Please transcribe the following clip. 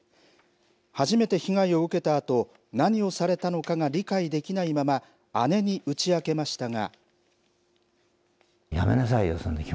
初めて被害を受けたあと、何をされたのかが理解できないまま、姉に打ち明けましたが。